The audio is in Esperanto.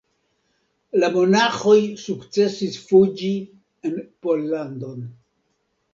La monaĥoj sukcesis fuĝi en Pollandon.